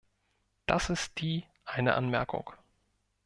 Das ist die eine Anmerkung.